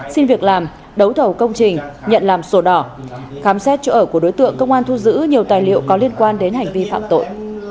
xin việc làm đấu thầu công trình nhận làm sổ đỏ khám xét chỗ ở của đối tượng công an thu giữ nhiều tài liệu có liên quan đến hành vi phạm tội